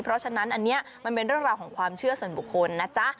เพราะฉะนั้นอันนี้มันเป็นเรื่องราวของความเชื่อส่วนบุคคลนะจ๊ะ